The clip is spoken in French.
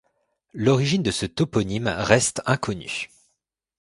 L'origine de ce toponyme reste inconnue.